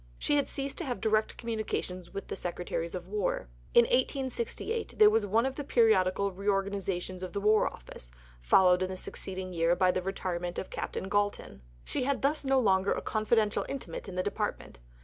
She had ceased to have direct communications with the Secretaries for War. In 1868 there was one of the periodical reorganizations of the War Office, followed in the succeeding year by the retirement of Captain Galton. She had thus no longer a confidential intimate in the Department.